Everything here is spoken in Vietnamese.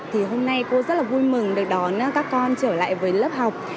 thì hôm nay cô rất là vui mừng được đón các con trở lại với lớp học